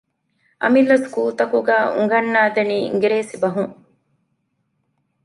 އަމިއްލަ ސްކޫލުތަކުގައި އުނގަންނައިދެނީ އިނގިރޭސި ބަހުން